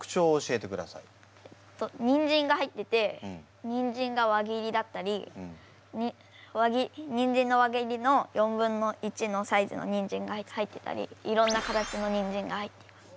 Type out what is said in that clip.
えっとにんじんが入っててにんじんが輪切りだったりにんじんの輪切りの４分の１のサイズのにんじんが入ってたりいろんな形のにんじんが入っています。